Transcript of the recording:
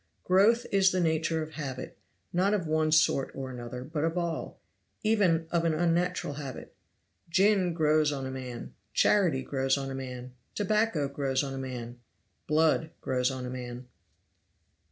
Growth is the nature of habit, not of one sort or another but of all even of an unnatural habit. Gin grows on a man charity grows on a man tobacco grows on a man blood grows on a man.